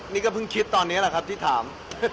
นี่ก็เพิ่งคิดตอนนี้แหละครับที่ถาม